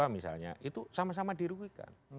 misalnya itu sama sama dirugikan